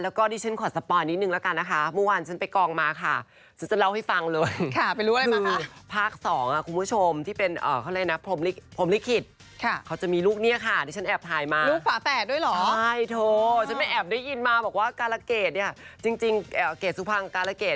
และดิฉันก่อนสปอยนิดหนึ่ง